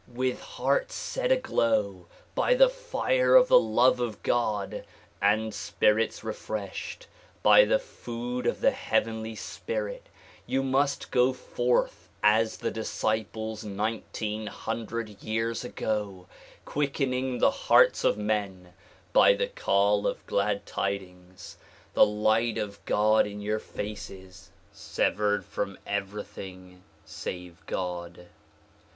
With hearts set aglow by the fire of the love of God and spirits refreshed by the food of the heavenly spirit you must go forth as the disciples nineteen hundred years ago, quickening the hearts of men by the call of glad tidings, the light of God in your faces, severed from everything save God.